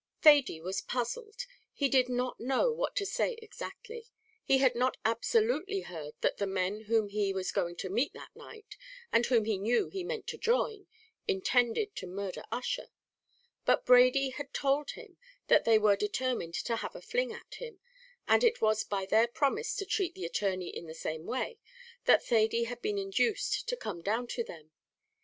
Thady was puzzled; he did not know what to say exactly. He had not absolutely heard that the men whom he was going to meet that night, and whom he knew he meant to join, intended to murder Ussher; but Brady had told him that they were determined to have a fling at him, and it was by their promise to treat the attorney in the same way, that Thady had been induced to come down to them.